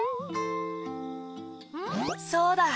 そうだ！